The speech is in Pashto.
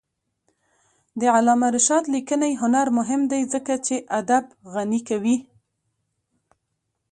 د علامه رشاد لیکنی هنر مهم دی ځکه چې ادب غني کوي.